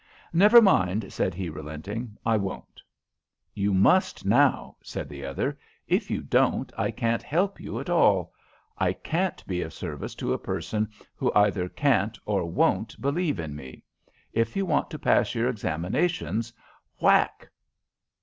"Never mind," said he, relenting. "I won't." "Yon must, now," said the other. "If you don't, I can't help you at all. I can't be of service to a person who either can't or won't believe in me. If you want to pass your examinations, whack."